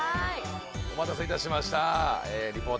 お待たせいたしました。